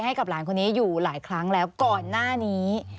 ให้กับหลานคนนี้อยู่หลายครั้งแล้วก่อนหน้านี้